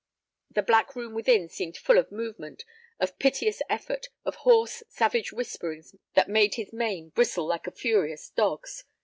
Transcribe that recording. The black room within seemed full of movement, of piteous effort, of hoarse, savage whisperings that made his mane bristle like a furious dog's.